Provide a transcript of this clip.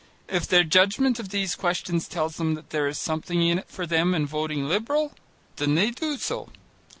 If their judgment of these questions tells them that there is something in it for them in voting Liberal, then they do so.